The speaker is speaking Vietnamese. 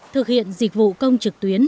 thực hiện dịch vụ công trực tuyến